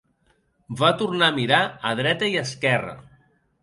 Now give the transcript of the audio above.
Va tornar a mirar a dreta i esquerra.